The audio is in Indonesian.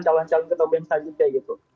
calon calon ketua bem selanjutnya gitu